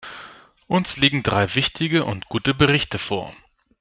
Uns liegen drei wichtige und gute Berichte vor.